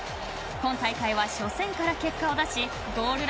今大会は初戦から結果を出しゴール